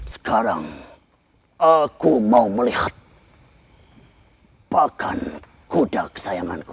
sekarang aku mau melihat hai bahkan kuda kesayanganku